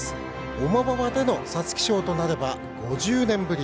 重馬場での皐月賞となれば５０年ぶり。